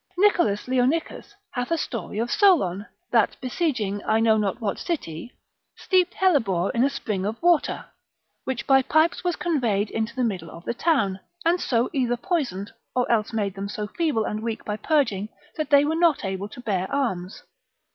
Nicholas Leonicus hath a story of Solon, that besieging, I know not what city, steeped hellebore in a spring of water, which by pipes was conveyed into the middle of the town, and so either poisoned, or else made them so feeble and weak by purging, that they were not able to bear arms.